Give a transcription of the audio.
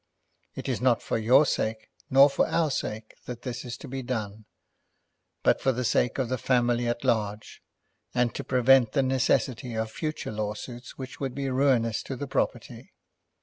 It is not for your sake nor for our sake that this is to be done, but for the sake of the family at large, and to prevent the necessity of future lawsuits which would be ruinous to the property.